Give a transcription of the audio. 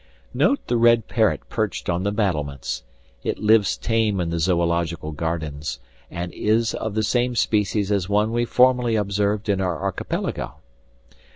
Note the red parrot perched on the battlements; it lives tame in the zoological gardens, and is of the same species as one we formerly observed in our archipelago.